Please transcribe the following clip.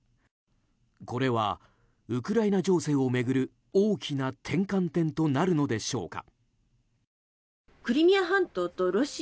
これは、ウクライナ情勢を巡る大きな転換点となるのでしょうか。